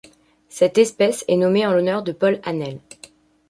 Cette espèce est nommée en l'honneur de Paul Hahnel.